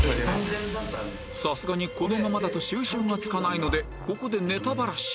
さすがにこのままだと収拾がつかないのでここでネタバラシ